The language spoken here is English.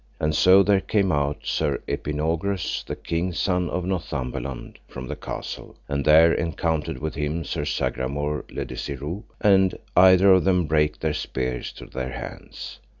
And so there came out Sir Epinogrus, the king's son of Northumberland, from the castle, and there encountered with him Sir Sagramore le Desirous, and either of them brake their spears to their hands.